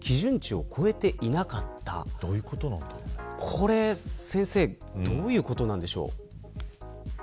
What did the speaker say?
これは先生どういうことなんでしょうか。